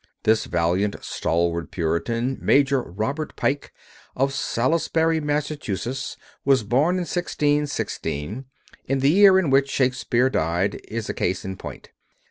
This valiant, stalwart Puritan, Major Robert Pike, of Salisbury, Massachusetts, who was born in 1616, the year in which Shakespeare died, is a case in point.